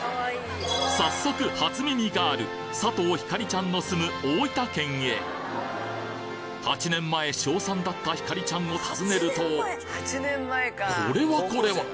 早速初耳ガール佐藤ひかりちゃんの住む大分県へ８年前小３だったひかりちゃんを訪ねるとこれはこれは！